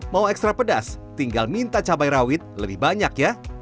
mau ekstra pedas tinggal minta cabai rawit lebih banyak ya